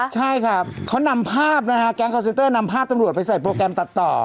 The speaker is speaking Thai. ใช่ครับเขานำภาพนะฮะแก๊งคอนเซนเตอร์นำภาพตำรวจไปใส่โปรแกรมตัดต่อ